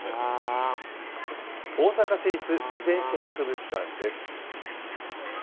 大阪市立自然史博物館です。